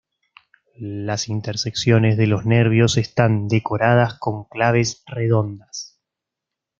Las intersecciones de los nervios están decoradas con claves redondas.